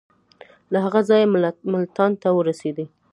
له هغه ځایه ملتان ته ورسېدی.